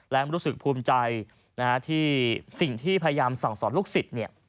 และรู้สึกภูมิใจนะฮะที่สิ่งที่พยายามสั่งสอนลูกศิษย์เนี่ย